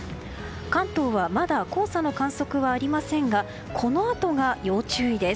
関東は、まだ黄砂の観測はありませんがこのあとが要注意です。